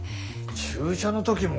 注射の時も？